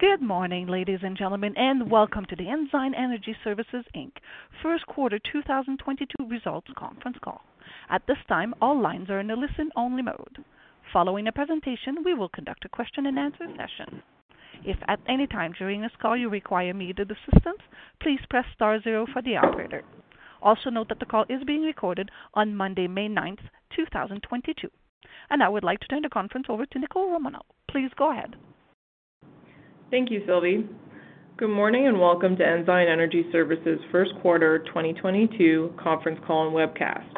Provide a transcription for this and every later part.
Good morning, ladies and gentlemen, and welcome to the Ensign Energy Services Inc. First Quarter 2022 Results Conference Call. At this time, all lines are in a listen-only mode. Following the presentation, we will conduct a question-and-answer session. If at any time during this call you require immediate assistance, please press star zero for the operator. Also note that the call is being recorded on Monday, May ninth, 2022. Now I would like to turn the conference over to Nicole Romanow. Please go ahead. Thank you, Sylvie. Good morning, and welcome to Ensign Energy Services' first quarter 2022 conference call and webcast.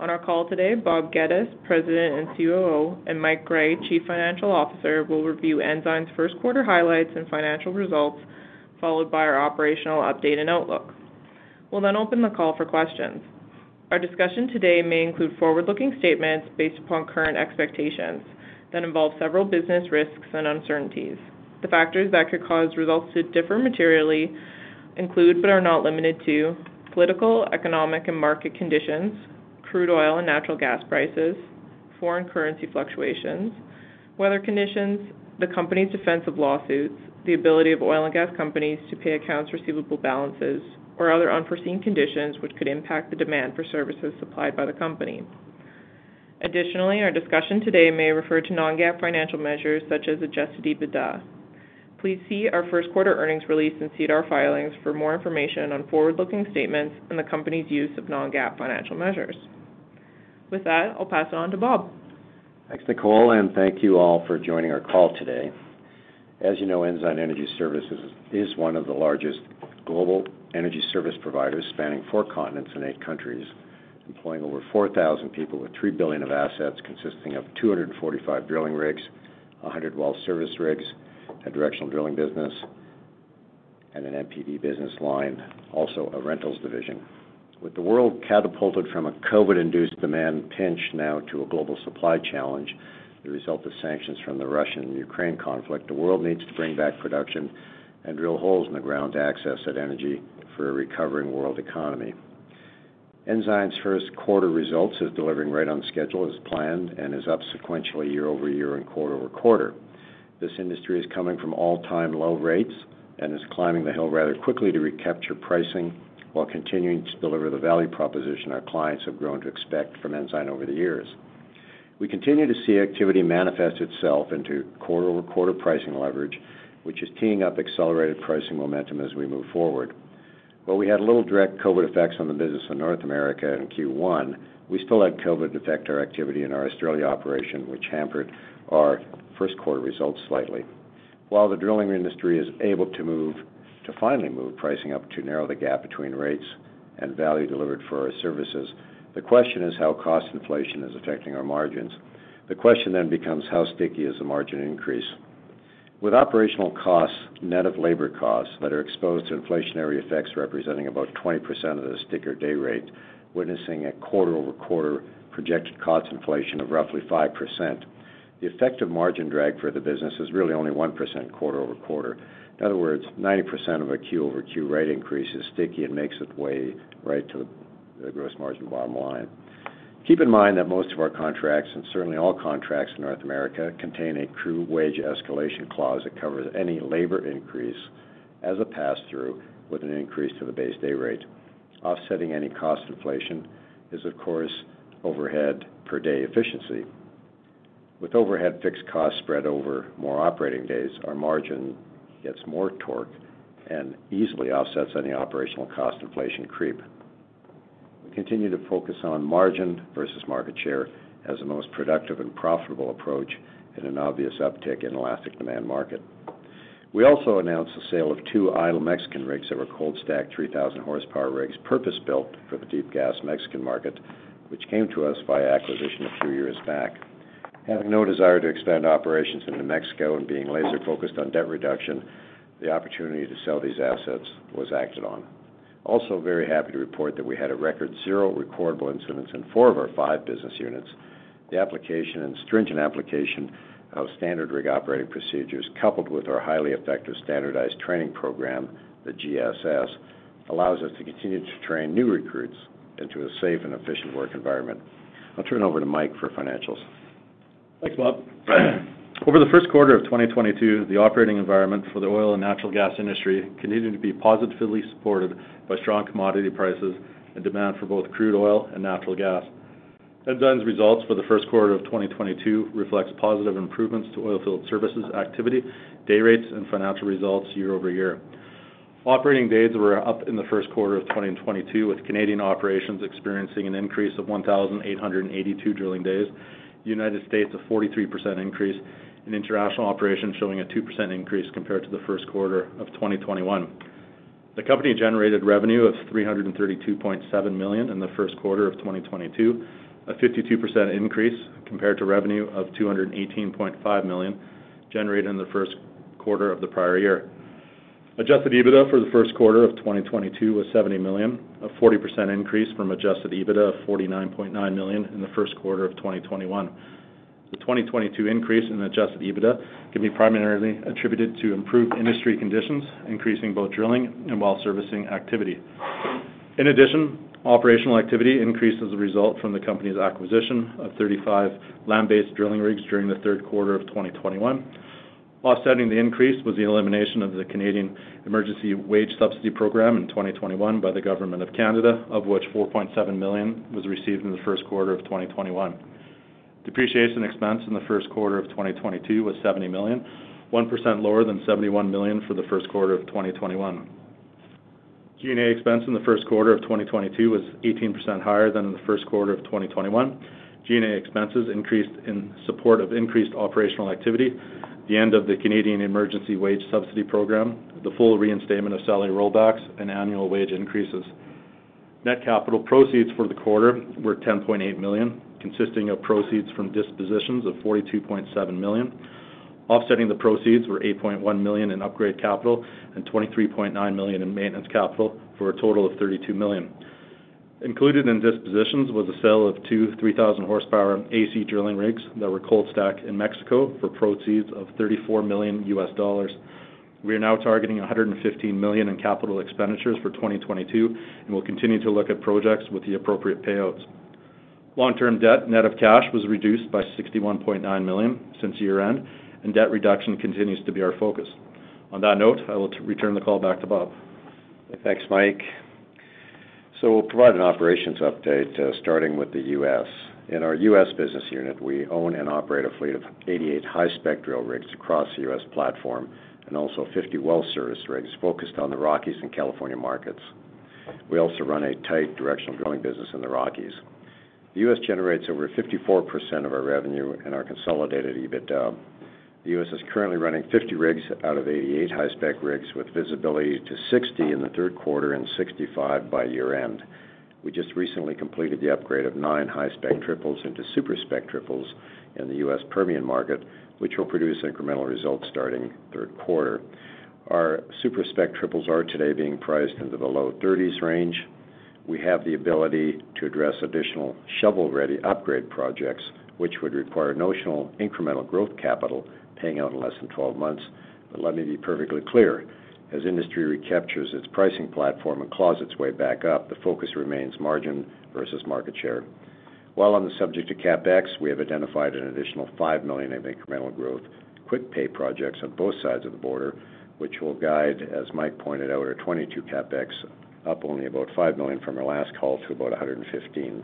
On our call today, Bob Geddes, President and COO, and Mike Gray, Chief Financial Officer, will review Ensign's first quarter highlights and financial results, followed by our operational update and outlook. We'll then open the call for questions. Our discussion today may include forward-looking statements based upon current expectations that involve several business risks and uncertainties. The factors that could cause results to differ materially include, but are not limited to, political, economic, and market conditions, crude oil and natural gas prices, foreign currency fluctuations, weather conditions, the company's defensive lawsuits, the ability of oil and gas companies to pay accounts receivable balances or other unforeseen conditions which could impact the demand for services supplied by the company. Additionally, our discussion today may refer to non-GAAP financial measures such as adjusted EBITDA. Please see our first quarter earnings release and SEDAR filings for more information on forward-looking statements and the company's use of non-GAAP financial measures. With that, I'll pass it on to Bob. Thanks, Nicole, and thank you all for joining our call today. As you know, Ensign Energy Services is one of the largest global energy service providers spanning four continents and eight countries, employing over 4,000 people with 3 billion of assets consisting of 245 drilling rigs, 100 well service rigs, a directional drilling business, and an MPD business line, also a rentals division. With the world catapulted from a COVID-induced demand pinch now to a global supply challenge, the result of sanctions from the Russian and Ukraine conflict, the world needs to bring back production and drill holes in the ground to access that energy for a recovering world economy. Ensign's first quarter results is delivering right on schedule as planned and is up sequentially year-over-year and quarter-over-quarter. This industry is coming from all-time low rates and is climbing the hill rather quickly to recapture pricing while continuing to deliver the value proposition our clients have grown to expect from Ensign over the years. We continue to see activity manifest itself into quarter-over-quarter pricing leverage, which is teeing up accelerated pricing momentum as we move forward. While we had little direct COVID effects on the business in North America in Q1, we still had COVID affect our activity in our Australian operation, which hampered our first quarter results slightly. While the drilling industry is able to finally move pricing up to narrow the gap between rates and value delivered for our services, the question is how cost inflation is affecting our margins. The question becomes, how sticky is the margin increase? With operational costs net of labor costs that are exposed to inflationary effects representing about 20% of the sticker day rate, witnessing a quarter-over-quarter projected cost inflation of roughly 5%, the effective margin drag for the business is really only 1% quarter-over-quarter. In other words, 90% of a Q-over-Q rate increase is sticky and makes its way right to the gross margin bottom line. Keep in mind that most of our contracts, and certainly all contracts in North America, contain a true wage escalation clause that covers any labor increase as a pass-through with an increase to the base day rate. Offsetting any cost inflation is, of course, overhead per day efficiency. With overhead fixed costs spread over more operating days, our margin gets more torque and easily offsets any operational cost inflation creep. We continue to focus on margin versus market share as the most productive and profitable approach in an obvious uptick in elastic demand market. We also announced the sale of two idle Mexican rigs that were cold stacked 3,000 horsepower rigs, purpose-built for the deep gas Mexican market, which came to us via acquisition a few years back. Having no desire to expand operations into Mexico and being laser-focused on debt reduction, the opportunity to sell these assets was acted on. Also very happy to report that we had a record zero recordable incidents in four of our five business units. The application and stringent application of standard rig operating procedures, coupled with our highly effective standardized training program, the GSS, allows us to continue to train new recruits into a safe and efficient work environment. I'll turn it over to Mike for financials. Thanks, Bob. Over the first quarter of 2022, the operating environment for the oil and natural gas industry continued to be positively supported by strong commodity prices and demand for both crude oil and natural gas. Ensign's results for the first quarter of 2022 reflects positive improvements to oilfield services activity, day rates, and financial results year-over-year. Operating days were up in the first quarter of 2022, with Canadian operations experiencing an increase of 1,882 drilling days, United States a 43% increase, and international operations showing a 2% increase compared to the first quarter of 2021. The company generated revenue of 332.7 million in the first quarter of 2022, a 52% increase compared to revenue of 218.5 million generated in the first quarter of the prior year. Adjusted EBITDA for the first quarter of 2022 was 70 million, a 40% increase from adjusted EBITDA of 49.9 million in the first quarter of 2021. The 2022 increase in adjusted EBITDA can be primarily attributed to improved industry conditions, increasing both drilling and well servicing activity. In addition, operational activity increased as a result from the company's acquisition of 35 land-based drilling rigs during the third quarter of 2021. Offsetting the increase was the elimination of the Canada Emergency Wage Subsidy in 2021 by the government of Canada, of which 4.7 million was received in the first quarter of 2021. Depreciation expense in the first quarter of 2022 was 70 million, 1% lower than 71 million for the first quarter of 2021. G&A expense in the first quarter of 2022 was 18% higher than in the first quarter of 2021. G&A expenses increased in support of increased operational activity, the end of the Canada Emergency Wage Subsidy, the full reinstatement of salary rollbacks, and annual wage increases. Net capital proceeds for the quarter were 10.8 million, consisting of proceeds from dispositions of 42.7 million. Offsetting the proceeds were 8.1 million in upgrade capital and 23.9 million in maintenance capital, for a total of 32 million. Included in dispositions was a sale of two 3,000-horsepower AC drilling rigs that were cold stacked in Mexico for proceeds of $34 million. We are now targeting 115 million in capital expenditures for 2022, and we'll continue to look at projects with the appropriate payouts. Long-term debt net of cash was reduced by CAD 61.9 million since year-end, and debt reduction continues to be our focus. On that note, I will return the call back to Bob. Thanks, Mike. We'll provide an operations update, starting with the U.S.. In our U.S. business unit, we own and operate a fleet of 88 high-spec drill rigs across the U.S. platform and also 50 well service rigs focused on the Rockies and California markets. We also run a tight directional drilling business in the Rockies. The U.S. generates over 54% of our revenue and our consolidated EBITDA. The U.S. is currently running 50 rigs out of 88 high-spec rigs, with visibility to 60 in the third quarter and 65 by year-end. We just recently completed the upgrade of nine high-spec triples into super-spec triples in the U.S. Permian market, which will produce incremental results starting third quarter. Our super-spec triples are today being priced into the low 30s range. We have the ability to address additional shovel-ready upgrade projects, which would require notional incremental growth capital paying out in less than 12 months. Let me be perfectly clear, as industry recaptures its pricing platform and claws its way back up, the focus remains margin versus market share. While on the subject of CapEx, we have identified an additional 5 million in incremental growth, quick pay projects on both sides of the border, which will guide, as Mike pointed out, our 2022 CapEx up only about 5 million from our last call to about 115 million.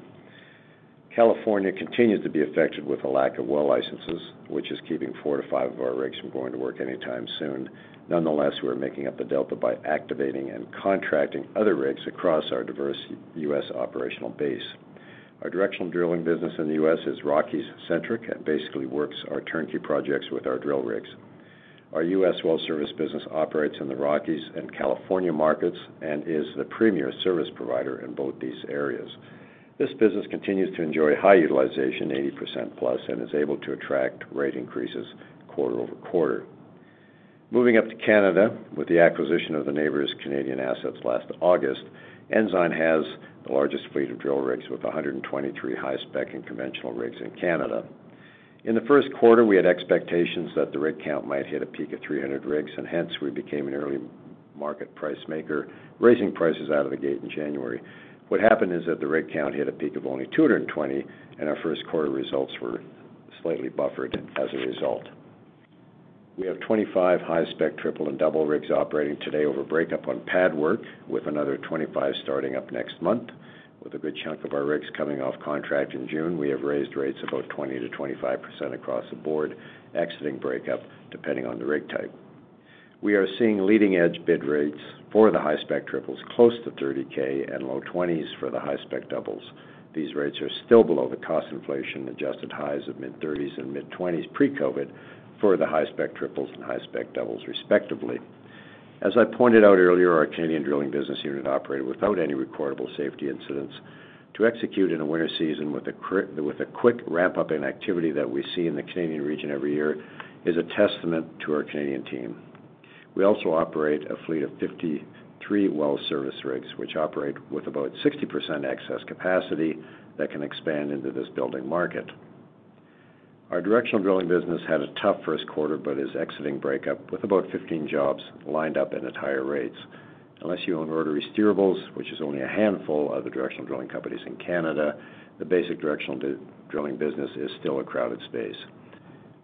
California continues to be affected with a lack of well licenses, which is keeping four to five of our rigs from going to work anytime soon. Nonetheless, we're making up the delta by activating and contracting other rigs across our diverse U.S. operational base. Our directional drilling business in the U.S. is Rockies-centric and basically works our turnkey projects with our drill rigs. Our U.S. well service business operates in the Rockies and California markets and is the premier service provider in both these areas. This business continues to enjoy high utilization, 80% plus, and is able to attract rate increases quarter-over-quarter. Moving up to Canada, with the acquisition of the Nabors Canadian assets last August, Ensign has the largest fleet of drill rigs with 123 high-spec and conventional rigs in Canada. In the first quarter, we had expectations that the rig count might hit a peak of 300 rigs, and hence, we became an early market price maker, raising prices out of the gate in January. What happened is that the rig count hit a peak of only 220, and our first quarter results were slightly buffered as a result. We have 25 high-spec triple and double rigs operating today over breakup on pad work, with another 25 starting up next month. With a good chunk of our rigs coming off contract in June, we have raised rates about 20%-25% across the board, exiting breakup depending on the rig type. We are seeing leading-edge bid rates for the high-spec triples close to 30,000 and low 20,000s for the high-spec doubles. These rates are still below the cost inflation-adjusted highs of mid-30,000s and mid-20,000s pre-COVID for the high-spec triples and high-spec doubles respectively. As I pointed out earlier, our Canadian drilling business unit operated without any recordable safety incidents. To execute in a winter season with a quick ramp-up in activity that we see in the Canadian region every year is a testament to our Canadian team. We also operate a fleet of 53 well service rigs, which operate with about 60% excess capacity that can expand into this building market. Our directional drilling business had a tough first quarter, but is exiting breakup with about 15 jobs lined up and at higher rates. Unless you own rotary steerables, which is only a handful of the directional drilling companies in Canada, the basic directional drilling business is still a crowded space.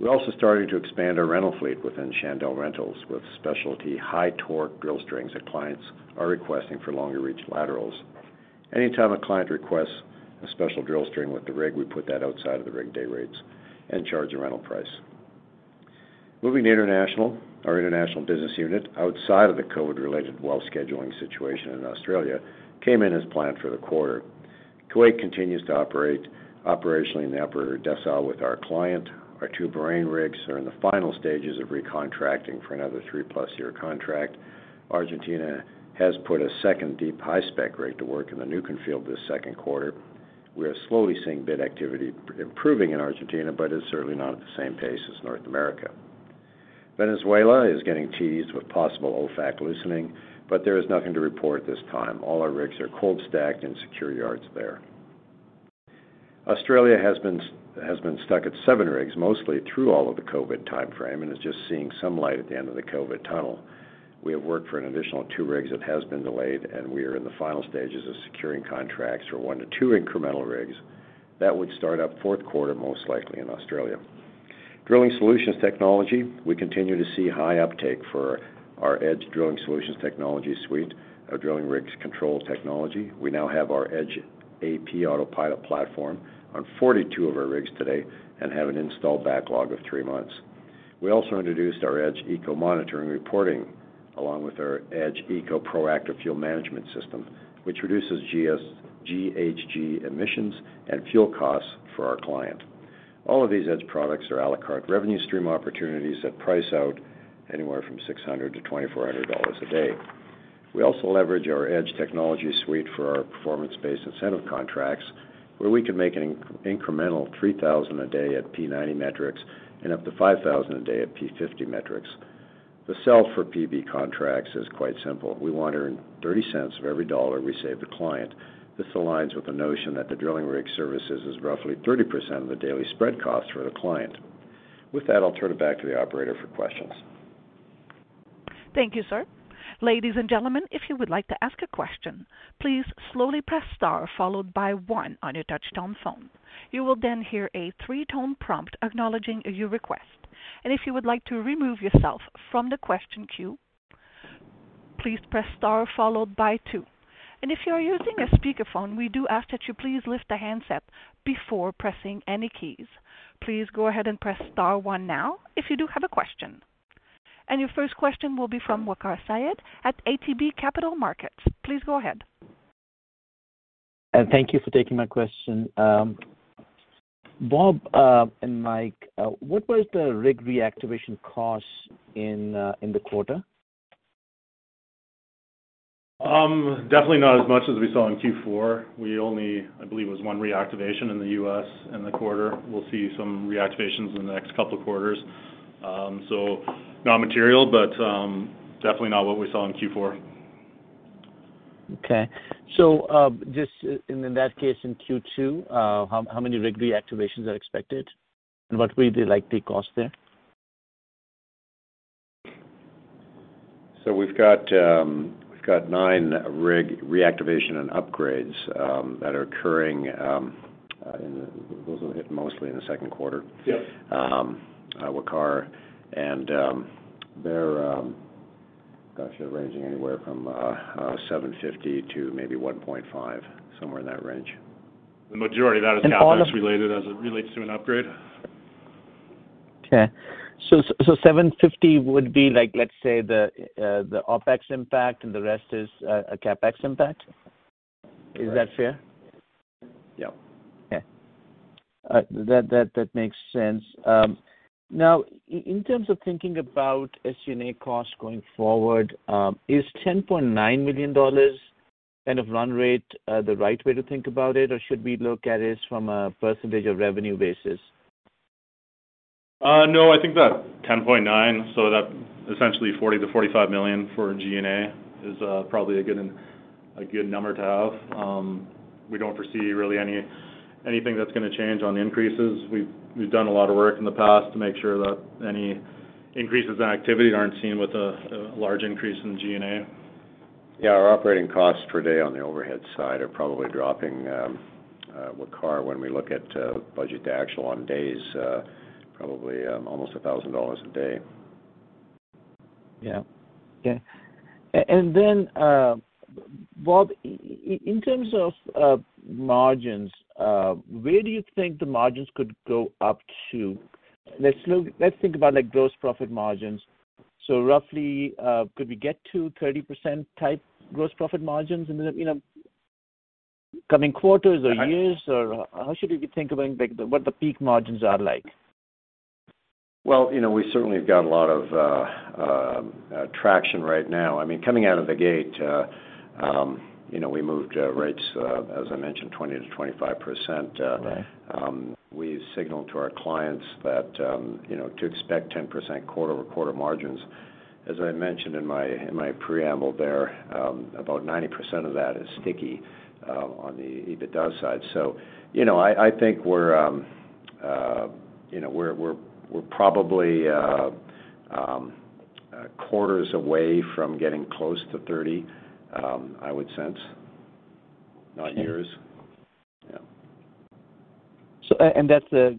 We're also starting to expand our rental fleet within Chandelle Rentals with specialty high-torque drill strings that clients are requesting for longer-reach laterals. Anytime a client requests a special drill string with the rig, we put that outside of the rig day rates and charge a rental price. Moving to international. Our international business unit, outside of the COVID-related well scheduling situation in Australia, came in as planned for the quarter. Kuwait continues to operate operationally in the Upper Burgan with our client. Our two Bahrain rigs are in the final stages of recontracting for another three plus year contract. Argentina has put a second deep high-spec rig to work in the Neuquén field this second quarter. We are slowly seeing bid activity improving in Argentina, but it's certainly not at the same pace as North America. Venezuela is getting teased with possible OFAC loosening, but there is nothing to report this time. All our rigs are cold stacked in secure yards there. Australia has been stuck at seven rigs mostly through all of the COVID time frame and is just seeing some light at the end of the COVID tunnel. We have worked for an additional two rigs that has been delayed, and we are in the final stages of securing contracts for one to two incremental rigs that would start up fourth quarter, most likely in Australia. Drilling solutions technology. We continue to see high uptake for our EDGE Drilling Solutions technology suite, our drilling rigs control technology. We now have our EDGE Autopilot platform on 42 of our rigs today and have an install backlog of three months. We also introduced our EDGE ECO Monitoring, along with our EDGE ECO Proactive Fuel Management System, which reduces GHG emissions and fuel costs for our client. All of these Edge products are a la carte revenue stream opportunities that price out anywhere from 600-2,400 dollars a day. We also leverage our Edge technology suite for our performance-based incentive contracts, where we can make an incremental 3,000 a day at P90 metrics and up to 5,000 a day at P50 metrics. The sell for PB contracts is quite simple. We want to earn 0.30 of every dollar we save the client. This aligns with the notion that the drilling rig services is roughly 30% of the daily spread costs for the client. With that, I'll turn it back to the operator for questions. Thank you, sir. Ladies and gentlemen, if you would like to ask a question, please slowly press star followed by one on your touchtone phone. You will then hear a three-tone prompt acknowledging your request. If you would like to remove yourself from the question queue, please press star followed by two. If you are using a speakerphone, we do ask that you please lift the handset before pressing any keys. Please go ahead and press star one now if you do have a question. Your first question will be from Waqar Syed at ATB Capital Markets. Please go ahead. Thank you for taking my question. Bob and Mike, what was the rig reactivation costs in the quarter? Definitely not as much as we saw in Q4. We only, I believe it was one reactivation in the U.S. in the quarter. We'll see some reactivations in the next couple of quarters. Non-material, but definitely not what we saw in Q4. Just in that case, in Q2, how many rig reactivations are expected? What will be the likely cost there? We've goot nine rig reactivation and upgrades that are occurring, those will hit mostly in the second quarter. Yes. Waqar, they're ranging anywhere from 750 to maybe 1.5, somewhere in that range. The majority of that is CapEx related as it relates to an upgrade. Okay. 750 would be like, let's say, the OpEx impact, and the rest is a CapEx impact? Is that fair? Yeah. Okay. That makes sense. Now in terms of thinking about G&A costs going forward, is 10.9 million dollars kind of run rate the right way to think about it, or should we look at it from a percentage of revenue basis? No, I think that 10.9%, so that essentially 40 million-45 million for G&A is probably a good number to have. We don't foresee really anything that's gonna change on the increases. We've done a lot of work in the past to make sure that any increases in activity aren't seen with a large increase in G&A. Yeah, our operating costs per day on the overhead side are probably dropping, Waqar, when we look at budget to actual on days, probably almost 1,000 dollars a day. Yeah. Okay. Bob, in terms of margins, where do you think the margins could go up to? Let's think about like gross profit margins. Roughly, could we get to 30% type gross profit margins in the, you know, coming quarters or years? Or how should we think about like the, what the peak margins are like? Well, you know, we certainly have got a lot of traction right now. I mean, coming out of the gate, you know, we moved rates, as I mentioned, 20%-25%. Okay. We signaled to our clients that, you know, to expect 10% quarter-over-quarter margins. As I mentioned in my preamble there, about 90% of that is sticky on the EBITDA side. You know, I think we're, you know, we're probably quarters away from getting close to 30%, I would sense, not years. Yeah. That's a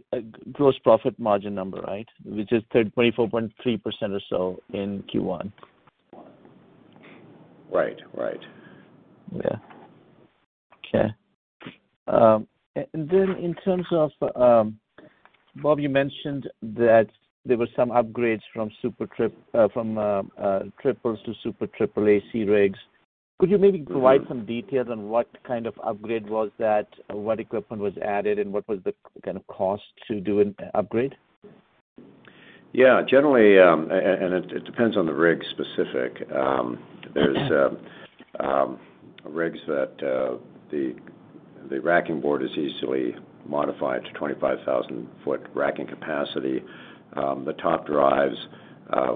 gross profit margin number, right? Which is 24.3% or so in Q1. Right. Right. Yeah. Okay. In terms of, Bob, you mentioned that there were some upgrades from triples to super triple AC rigs. Could you maybe provide some details on what kind of upgrade was that? What equipment was added, and what was the kind of cost to do an upgrade? Yeah. Generally, it depends on the rig specific. Okay. There's rigs that the racking board is easily modified to 25,000-foot racking capacity. The top drives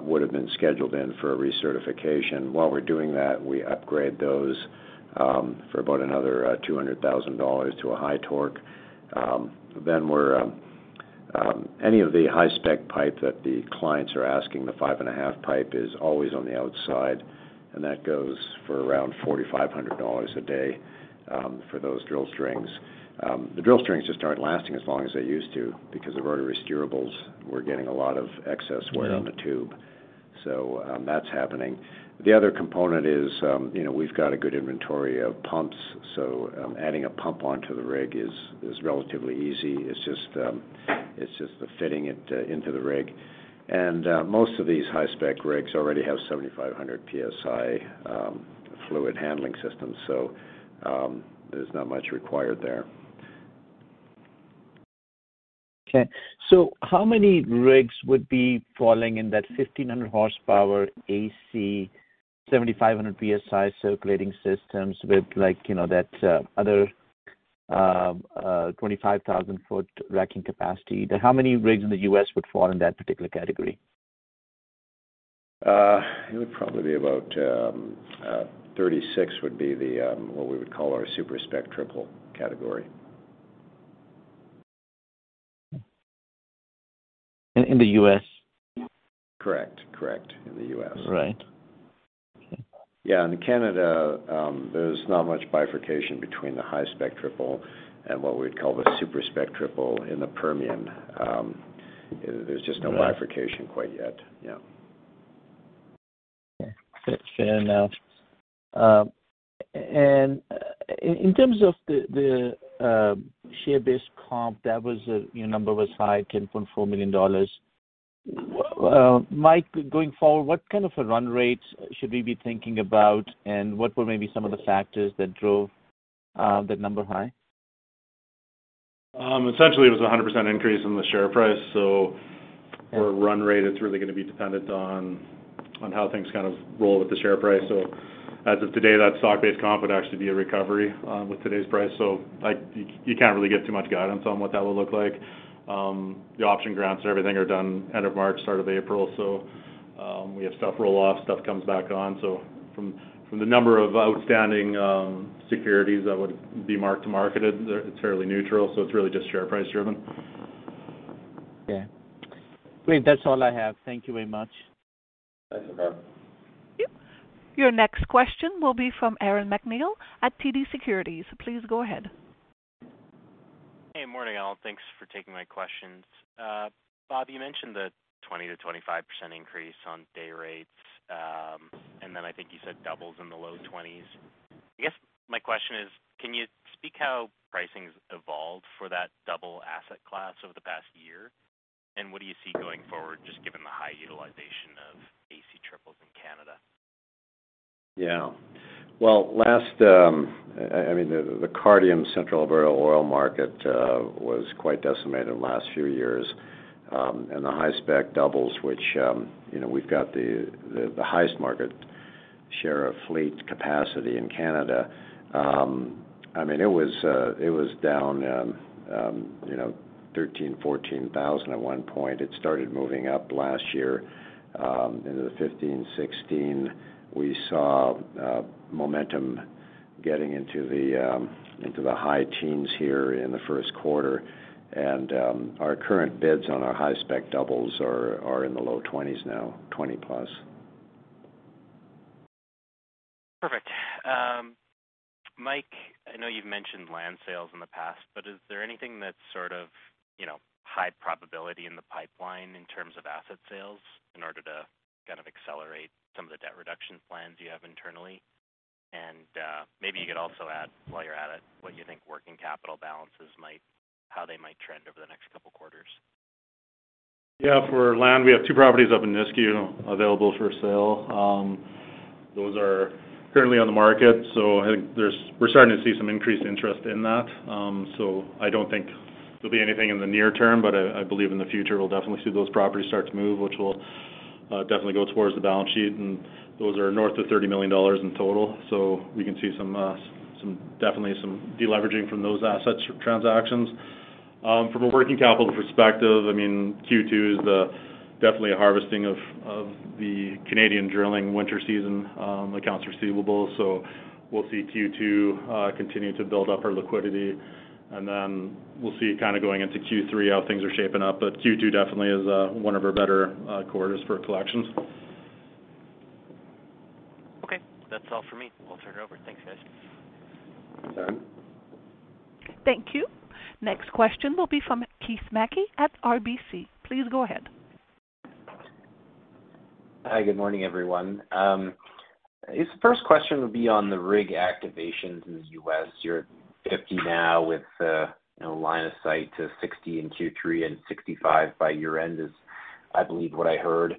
would've been scheduled in for a recertification. While we're doing that, we upgrade those for about another 200 thousand dollars to a high-torque. We're any of the high-spec pipe that the clients are asking, the 5.5 pipe is always on the outside, and that goes for around 4,500 dollars a day for those drill strings. The drill strings just aren't lasting as long as they used to because of rotary steerables. We're getting a lot of excess wear. Mm-hmm. On the tube. That's happening. The other component is, you know, we've got a good inventory of pumps, so adding a pump onto the rig is relatively easy. It's just the fitting it into the rig. Most of these high-spec rigs already have 7,500 PSI fluid handling systems, so there's not much required there. Okay. How many rigs would be falling in that 1,500 horsepower AC, 7,500 PSI circulating systems with like, you know, that 25,000 foot racking capacity? How many rigs in the U.S. would fall in that particular category? It would probably be about 36 would be the what we would call our super-spec triple category. In the US? Correct. In the U.S. Right. Okay. Yeah. In Canada, there's not much bifurcation between the high-spec triple and what we'd call the super-spec triple in the Permian. There's just no. Right. Bifurcation quite yet. Yeah. Okay. Fair enough. In terms of the share-based comp, that was a you know number was high, 10.4 million dollars. Mike, going forward, what kind of a run rate should we be thinking about, and what were maybe some of the factors that drove that number high? Essentially, it was a 100% increase in the share price. For run rate, it's really gonna be dependent on how things kind of roll with the share price. As of today, that stock-based comp would actually be a recovery with today's price. Like, you can't really get too much guidance on what that would look like. The option grants and everything are done end of March, start of April. We have stuff roll off, stuff comes back on. From the number of outstanding securities that would be mark-to-market, it's fairly neutral, so it's really just share price driven. Okay. Great. That's all I have. Thank you very much. Thanks, Waqar Syed. Your next question will be from Aaron MacNeil at TD Securities. Please go ahead. Hey, morning all. Thanks for taking my questions. Bob, you mentioned the 20%-25% increase on day rates. And then I think you said doubles in the low 20s. I guess my question is, can you speak how pricing's evolved for that double asset class over the past year? What do you see going forward, just given the high utilization of AC triples in Canada? Well, I mean, the Cardium Central Alberta oil market was quite decimated in the last few years. The high-spec doubles, which, you know, we've got the highest market share of fleet capacity in Canada. I mean, it was down, you know, 13,000-14,000 at one point. It started moving up last year. Into the 15,000-16,000, we saw momentum getting into the high teens here in the first quarter. Our current bids on our high-spec doubles are in the low twenties now, 20,000+. Perfect. Mike, I know you've mentioned land sales in the past, but is there anything that's sort of, you know, high probability in the pipeline in terms of asset sales in order to kind of accelerate some of the debt reduction plans you have internally? Maybe you could also add, while you're at it, what you think working capital balances might, how they might trend over the next couple quarters. Yeah. For land, we have two properties up in Nisku available for sale. Those are currently on the market, so I think we're starting to see some increased interest in that. So I don't think there'll be anything in the near-term, but I believe in the future, we'll definitely see those properties start to move, which will definitely go towards the balance sheet. Those are north of 30 million dollars in total. We can see some definitely some deleveraging from those assets transactions. From a working capital perspective, I mean, Q2 is definitely a harvesting of the Canadian drilling winter season accounts receivable. We'll see Q2 continue to build up our liquidity, and then we'll see kind of going into Q3 how things are shaping up. Q2 definitely is one of our better quarters for collections. Okay. That's all for me. We'll turn it over. Thanks, guys. Aaron. Thank you. Next question will be from Keith Mackey at RBC. Please go ahead. Hi. Good morning, everyone. This first question would be on the rig activations in the U.S. You're at 50 now with, you know, line of sight to 60 in Q3 and 65 by year-end is, I believe, what I heard.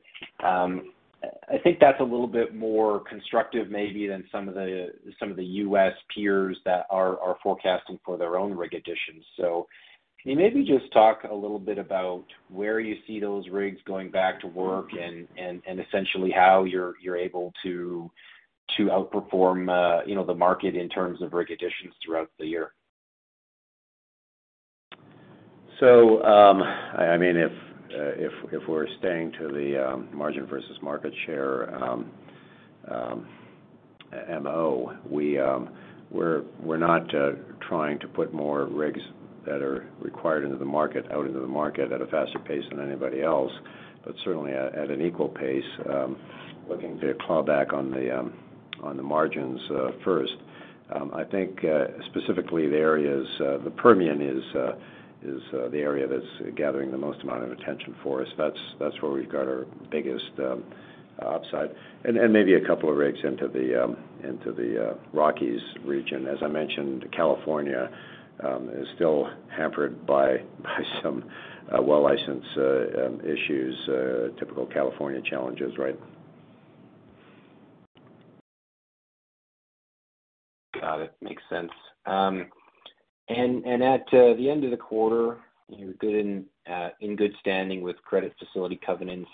I think that's a little bit more constructive maybe than some of the U.S. peers that are forecasting for their own rig additions. Can you maybe just talk a little bit about where you see those rigs going back to work and essentially how you're able to outperform, you know, the market in terms of rig additions throughout the year? I mean, if we're sticking to the margin versus market share. We're not trying to put more rigs that are required out into the market at a faster pace than anybody else, but certainly at an equal pace, looking to claw back on the margins first. I think specifically the areas, the Permian is the area that's gathering the most amount of attention for us. That's where we've got our biggest upside. Maybe a couple of rigs into the Rockies region. As I mentioned, California is still hampered by some well license issues, typical California challenges, right? Got it. Makes sense. At the end of the quarter, you're good and in good standing with credit facility covenants,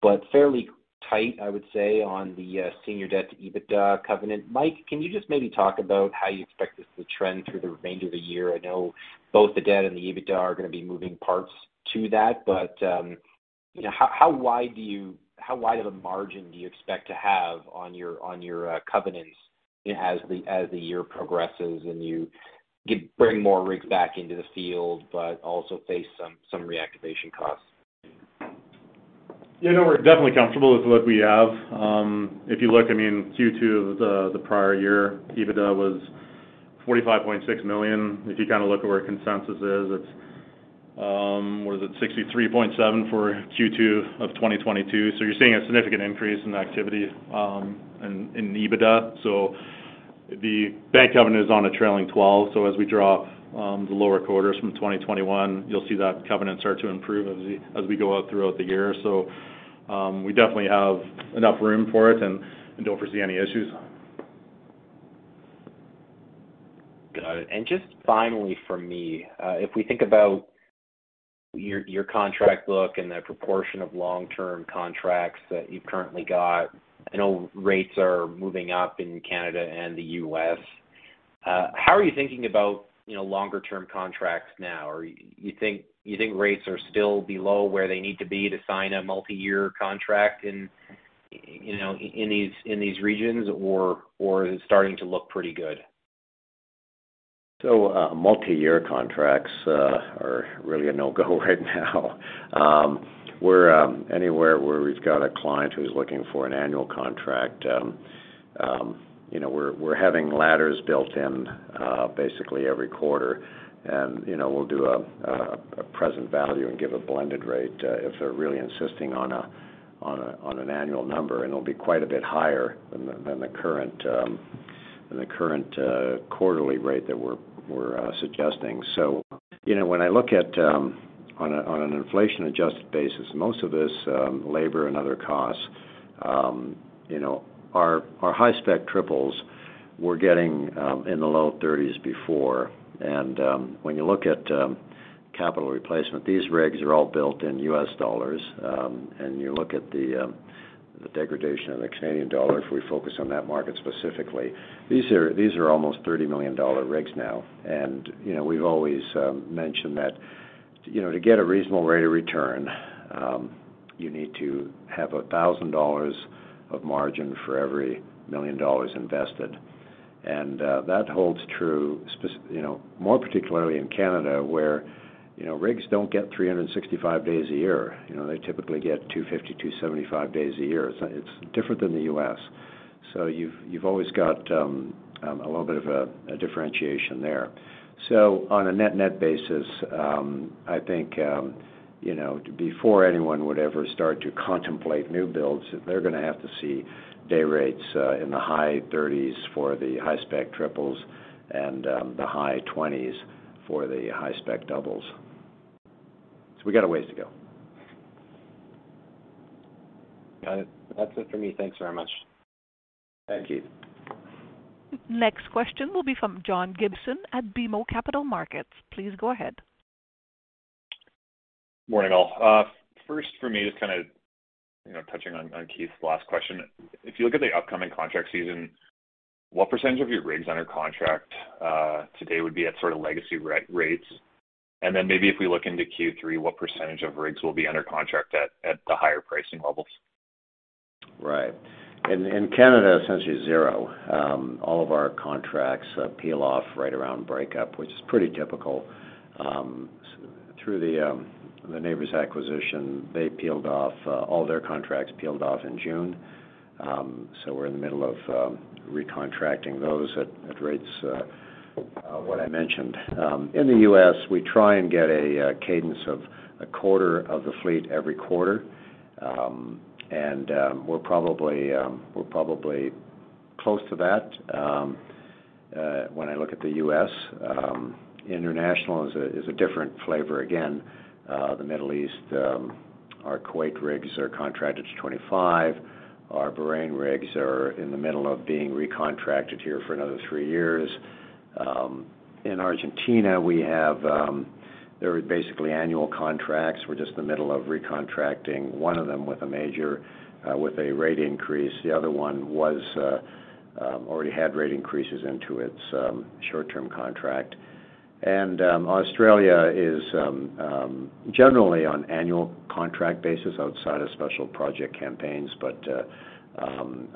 but fairly tight, I would say, on the senior debt to EBITDA covenant. Mike, can you just maybe talk about how you expect this to trend through the remainder of the year? I know both the debt and the EBITDA are gonna be moving parts to that, but you know, how wide of a margin do you expect to have on your covenants as the year progresses, and you bring more rigs back into the field but also face some reactivation costs? You know, we're definitely comfortable with what we have. If you look, I mean, Q2 of the prior year, EBITDA was 45.6 million. If you kind of look at where consensus is, it's 63.7 for Q2 of 2022. You're seeing a significant increase in activity in EBITDA. The bank covenant is on a trailing 12. As we drop the lower quarters from 2021, you'll see that covenants start to improve as we go out throughout the year. We definitely have enough room for it and don't foresee any issues. Got it. Just finally from me, if we think about your contract book and the proportion of long-term contracts that you've currently got, I know rates are moving up in Canada and the U.S.. How are you thinking about, you know, longer-term contracts now? Or you think rates are still below where they need to be to sign a multi-year contract in, you know, in these regions, or is it starting to look pretty good? Multi-year contracts are really a no-go right now. We're anywhere where we've got a client who's looking for an annual contract, you know, we're having ladders built in basically every quarter. You know, we'll do a present value and give a blended rate if they're really insisting on an annual number, and it'll be quite a bit higher than the current quarterly rate that we're suggesting. You know, when I look at on an inflation-adjusted basis, most of this labor and other costs, you know, our high-spec triples were getting in the low 30s before. When you look at capital replacement, these rigs are all built in U.S. dollars. You look at the degradation of the Canadian dollar, if we focus on that market specifically. These are almost 30 million dollar rigs now. You know, we've always mentioned that, you know, to get a reasonable rate of return, you need to have 1,000 dollars of margin for every 1 million dollars invested. That holds true, you know, more particularly in Canada, where, you know, rigs don't get 365 days a year. You know, they typically get 250, 275 days a year. It's different than the U.S. You've always got a little bit of a differentiation there. On a net-net basis, I think, you know, before anyone would ever start to contemplate new builds, they're gonna have to see day rates in the high 30s for the high-spec triples and the high 20s for the high-spec doubles. We got a ways to go. Got it. That's it for me. Thanks very much. Thank you. Next question will be from John Gibson at BMO Capital Markets. Please go ahead. Morning, all. First for me, just kinda, you know, touching on Keith's last question. If you look at the upcoming contract season, what percentage of your rigs under contract today would be at sort of legacy rig rates? Then maybe if we look into Q3, what percentage of rigs will be under contract at the higher pricing levels? Right. In Canada, essentially zero. All of our contracts peel off right around breakup, which is pretty typical. Through the Nabors acquisition, they peeled off all their contracts in June. We're in the middle of recontracting those at rates what I mentioned. In the U.S., we try and get a cadence of a quarter of the fleet every quarter. We're probably close to that when I look at the U.S.. International is a different flavor again. The Middle East, our Kuwait rigs are contracted to 25. Our Bahrain rigs are in the middle of being recontracted here for another three years. In Argentina, we have, they're basically annual contracts. We're just in the middle of recontracting one of them with a major, with a rate increase. The other one was already had rate increases into its short-term contract. Australia is generally on annual contract basis outside of special project campaigns.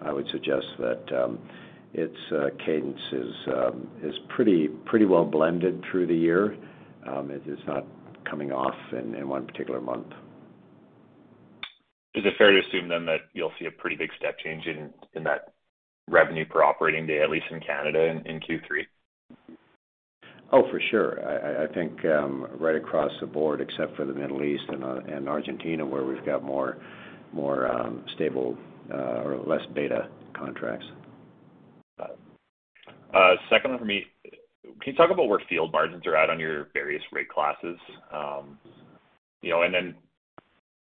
I would suggest that its cadence is pretty well blended through the year. It is not coming off in one particular month. Is it fair to assume then that you'll see a pretty big step change in that revenue per operating day, at least in Canada in Q3? Oh, for sure. I think right across the board except for the Middle East and Argentina where we've got more stable or less beta contracts. Got it. Second one for me. Can you talk about where field margins are at on your various rate classes, you know. Then,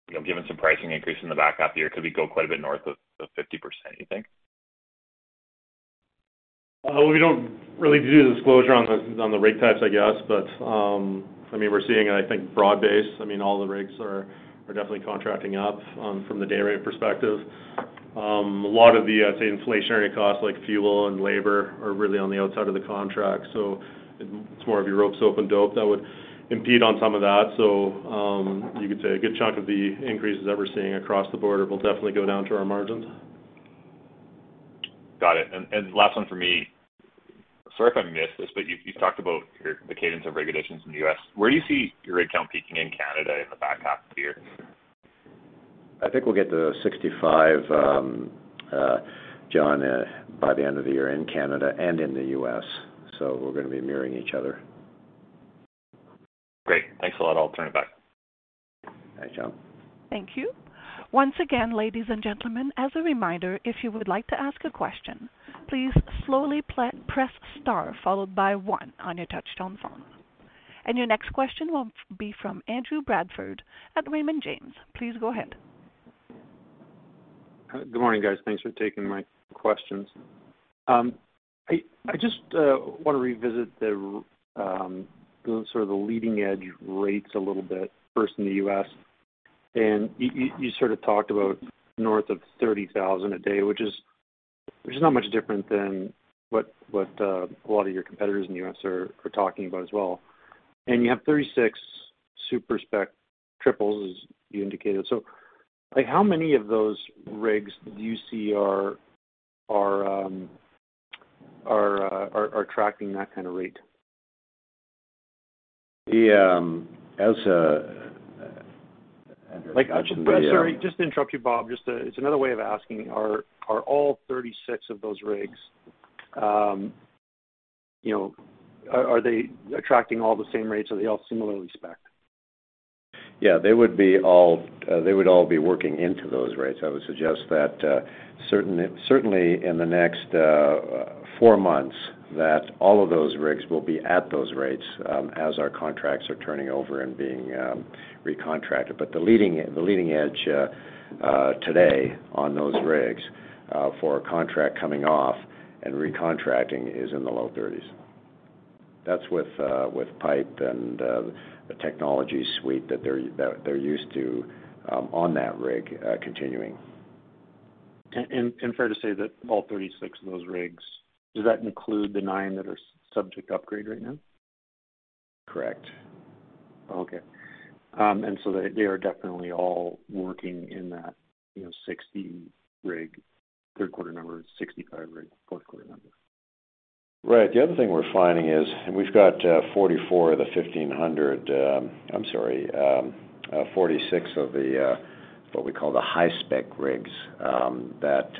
you know, given some pricing increase in the back half of the year, could we go quite a bit north of 50%, you think? We don't really do the disclosure on the rig types, I guess. I mean, we're seeing, I think, broad-based. I mean, all the rigs are definitely contracting up from the day rate perspective. A lot of the, I'd say, inflationary costs like fuel and labor are really on the outside of the contract, so it's more of your rope, soap, and dope that would impede on some of that. You could say a good chunk of the increases that we're seeing across the board will definitely go down to our margins. Got it. Last one for me. Sorry if I missed this, but you've talked about the cadence of rig additions in the U.S. Where do you see your rig count peaking in Canada in the back half of the year? I think we'll get to 65, John, by the end of the year in Canada and in the U.S.. We're gonna be mirroring each other. Great. Thanks a lot. I'll turn it back. Thanks, John. Thank you. Once again, ladies and gentlemen, as a reminder, if you would like to ask a question, please slowly press star followed by one on your touchtone phone. Your next question will be from Andrew Bradford at Raymond James. Please go ahead. Good morning, guys. Thanks for taking my questions. I just wanna revisit the sort of the leading-edge rates a little bit, first in the U.S. You sort of talked about north of $30,000 a day, which is not much different than what a lot of your competitors in the U.S. are talking about as well. You have 36 super-spec triples as you indicated. Like, how many of those rigs do you see are tracking that kind of rate? As I mentioned. Sorry, just to interrupt you, Bob. Just, it's another way of asking. Are all 36 of those rigs, you know, are they attracting all the same rates? Are they all similarly specced? Yeah, they would all be working into those rates. I would suggest that certainly in the next four months, that all of those rigs will be at those rates, as our contracts are turning over and being recontracted. The leading edge today on those rigs for a contract coming off and recontracting is in the low thirties. That's with pipe and the technology suite that they're used to on that rig continuing. Fair to say that all 36 of those rigs, does that include the nine that are subject to upgrade right now? Correct. Okay. They are definitely all working in that, you know, 60 rig third quarter number, 65 rig fourth quarter number. Right. The other thing we're finding is, and we've got 46 of the what we call the high-spec rigs that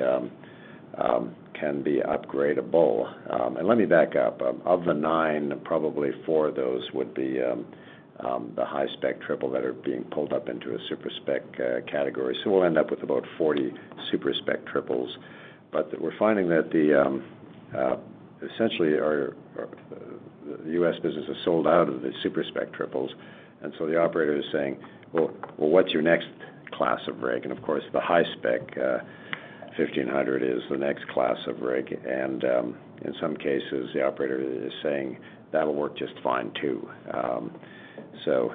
can be upgradeable. Let me back up. Of the nine, probably four of those would be the high-spec triple that are being pulled up into a super-spec category. We'll end up with about 40 super-spec triples. We're finding that essentially our U.S. business has sold out of the super-spec triples, and so the operator is saying, "Well, what's your next class of rig?" Of course, the high-spec 1,500 is the next class of rig, and in some cases the operator is saying that'll work just fine, too.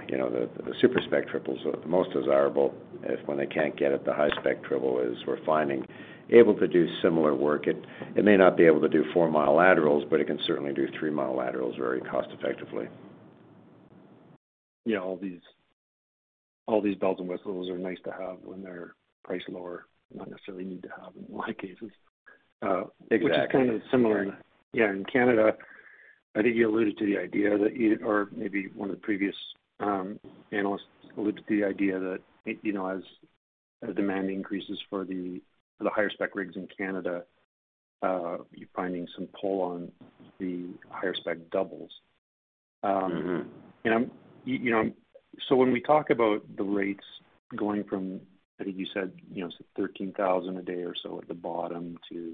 You know, the super-spec triples are the most desirable. If, when they can't get it, the high-spec triple is what we're finding able to do similar work. It may not be able to do four-mile laterals, but it can certainly do three-mile laterals very cost effectively. Yeah, all these bells and whistles are nice to have when they're priced lower. Not necessarily need to have in a lot of cases. Exactly. Which is kind of similar. Yeah, in Canada, I think you or maybe one of the previous analysts alluded to the idea that you know, as the demand increases for the high-spec rigs in Canada, you're finding some pull on the high-spec doubles. Mm-hmm. You know, when we talk about the rates going from, I think you said, you know, so 13,000 a day or so at the bottom to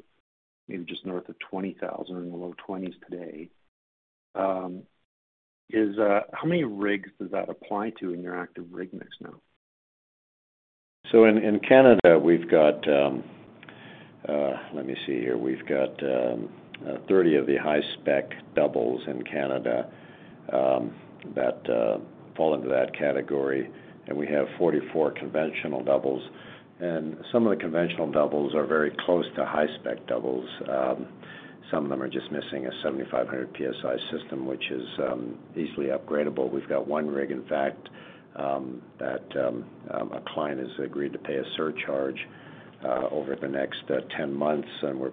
maybe just north of 20,000 in the low 20s today, is how many rigs does that apply to in your active rig mix now? In Canada we've got 30 of the high-spec doubles in Canada that fall into that category. We have 44 conventional doubles. Some of the conventional doubles are very close to high-spec doubles. Some of them are just missing a 7,500 PSI system, which is easily upgradable. We've got one rig, in fact, that a client has agreed to pay a surcharge over the next 10 months, and we're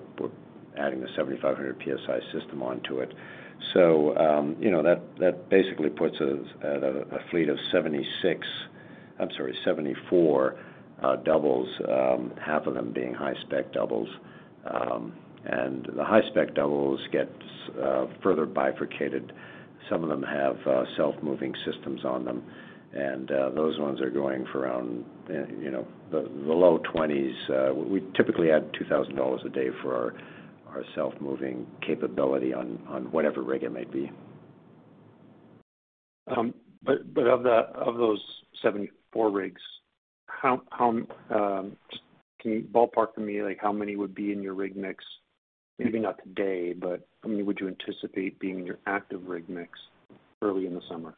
adding the 7,500 PSI system onto it. That basically puts us at a fleet of 76... I'm sorry, 74 doubles, half of them being high-spec doubles. The high-spec doubles get further bifurcated. Some of them have self-moving systems on them, and those ones are going for around, you know, the low 20s. We typically add 2,000 dollars a day for our self-moving capability on whatever rig it may be. Of those 74 rigs, can you ballpark for me, like, how many would be in your rig mix? Maybe not today, how many would you anticipate being in your active rig mix early in the summer?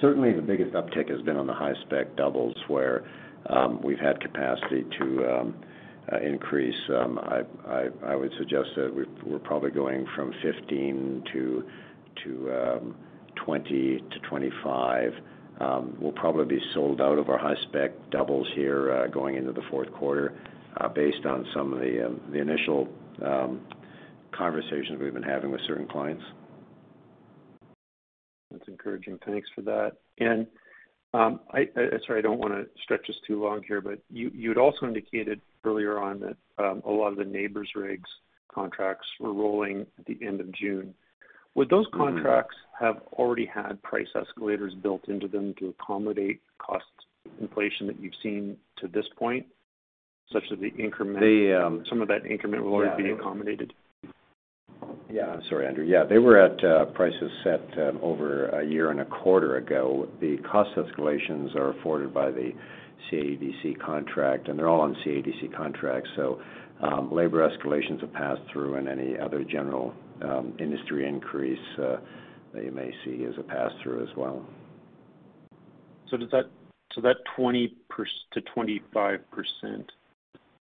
Certainly the biggest uptick has been on the high-spec doubles where we've had capacity to increase. I would suggest that we're probably going from 15-20-25. We'll probably be sold out of our high-spec doubles here going into the fourth quarter based on some of the initial conversations we've been having with certain clients. That's encouraging. Thanks for that. Sorry, I don't wanna stretch this too long here, but you'd also indicated earlier on that a lot of the Nabors' rigs contracts were rolling at the end of June. Would those contracts have already had price escalators built into them to accommodate cost inflation that you've seen to this point, such that the increment- The, um- Some of that increment will already be accommodated? Yeah. I'm sorry, Andrew. Yeah. They were at prices set over a year and a quarter ago. The cost escalations are afforded by the CADC contract, and they're all on CADC contracts. Labor escalations are passed through and any other general industry increase they may see as a pass-through as well. Does that 20%-25%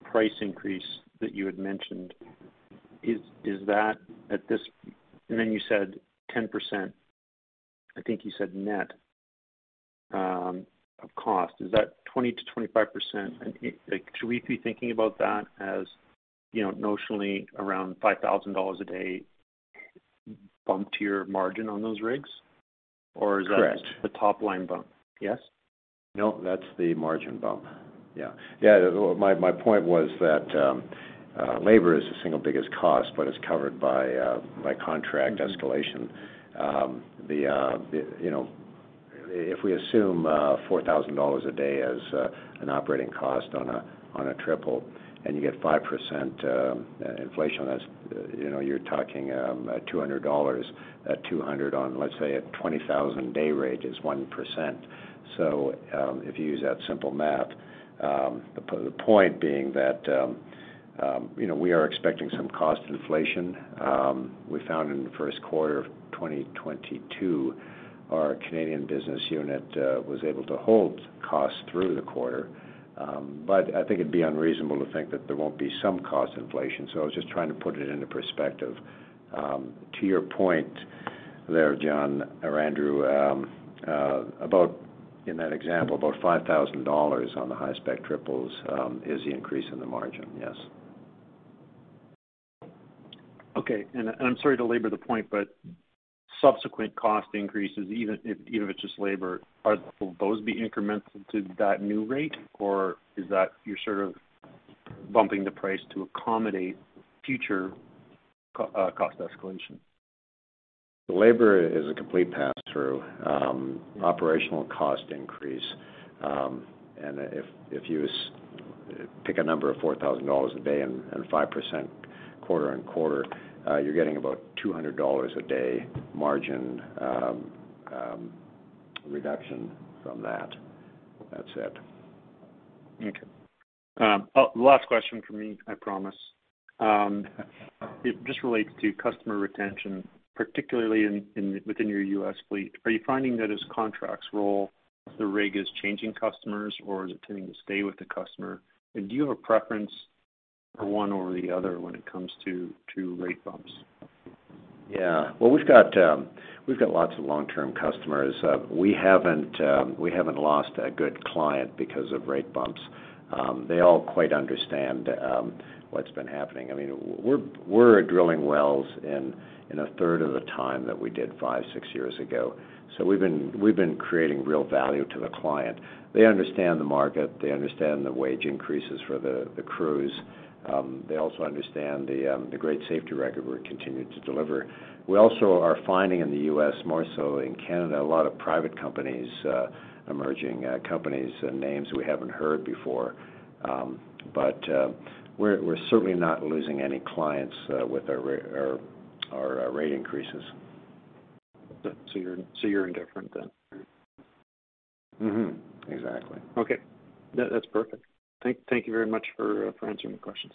price increase that you had mentioned, is that? Then you said 10%, I think you said net of cost. Is that 20%-25%? Like, should we be thinking about that as, you know, notionally around 5,000 dollars a day bump to your margin on those rigs? Or is that- Correct. The top line bump? Yes. No, that's the margin bump. Yeah. Yeah. Well, my point was that, labor is the single biggest cost, but it's covered by contract escalation. If we assume 4,000 dollars a day as an operating cost on a triple, and you get 5% inflation on this, you're talking 200 dollars. 200 on, let's say, a 20,000 day rate is 1%. If you use that simple math, the point being that, you know, we are expecting some cost inflation. We found in the first quarter of 2022, our Canadian business unit was able to hold costs through the quarter. I think it'd be unreasonable to think that there won't be some cost inflation. I was just trying to put it into perspective. To your point there, John or Andrew, about in that example, 5,000 dollars on the high-spec triples, is the increase in the margin. Yes. Okay. I'm sorry to labor the point, but subsequent cost increases, even if it's just labor, will those be incremental to that new rate, or is that you're sort of bumping the price to accommodate future cost escalation? The labor is a complete pass-through, operational cost increase. If you pick a number of 4,000 dollars a day and 5% quarter-on-quarter, you're getting about 200 dollars a day margin reduction from that. That's it. Okay. Last question for me, I promise. It just relates to customer retention, particularly in, within your U.S. fleet. Are you finding that as contracts roll, the rig is changing customers, or is it tending to stay with the customer? Do you have a preference for one or the other when it comes to rate bumps? Yeah. Well, we've got lots of long-term customers. We haven't lost a good client because of rate bumps. They all quite understand what's been happening. I mean, we're drilling wells in a third of the time that we did five, six years ago. We've been creating real value to the client. They understand the market. They understand the wage increases for the crews. They also understand the great safety record we're continuing to deliver. We also are finding in the U.S. more so than Canada, a lot of private companies, emerging companies, names we haven't heard before. But we're certainly not losing any clients with our rate increases. You're indifferent then? Mm-hmm. Exactly. Okay. That's perfect. Thank you very much for answering the questions.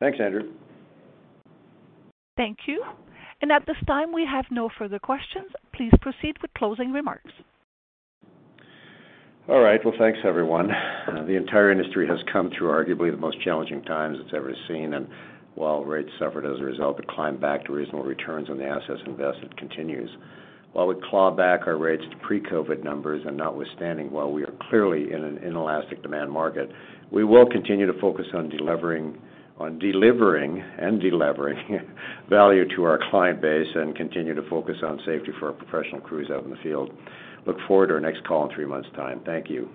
Thanks, Andrew. Thank you. At this time, we have no further questions. Please proceed with closing remarks. All right. Well, thanks everyone. The entire industry has come through arguably the most challenging times it's ever seen, and while rates suffered as a result, the climb back to reasonable returns on the assets invested continues. While we claw back our rates to pre-COVID numbers, and notwithstanding while we are clearly in an inelastic demand market, we will continue to focus on delivering value to our client base and continue to focus on safety for our professional crews out in the field. Look forward to our next call in three months' time. Thank you.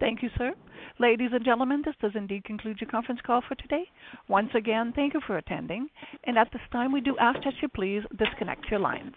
Thank you, sir. Ladies and gentlemen, this does indeed conclude your conference call for today. Once again, thank you for attending. At this time, we do ask that you please disconnect your line.